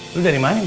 lu dari mana ma